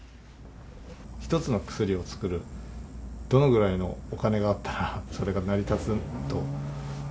１つの薬を作るのに、どのぐらいのお金があったら、それが成り立つと。